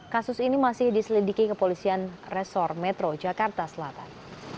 kasus ini masih diselidiki kepolisian resor metro jakarta selatan